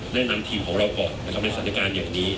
นำทีมของเราก่อนนะครับในสถานการณ์อย่างนี้